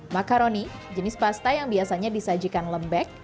makaroni jenis pasta yang biasanya disajikan lembek